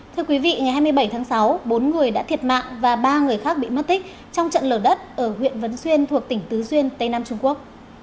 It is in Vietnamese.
thưa quý vị ngày hai mươi bảy tháng sáu bốn người đã thiệt mạng và ba người khác bị mất tích trong trận lở đất ở huyện vấn xuyên thuộc tỉnh tứ duyên tây nam trung quốc